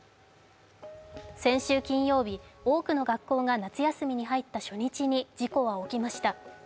先週金曜日、多くの学校が夏休みに入った初日に事故は起きました。